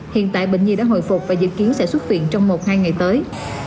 hiện tại bệnh nhi đã hồi phục và dự kiến sẽ xuất viện trong một hai ngày tới